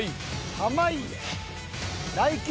濱家！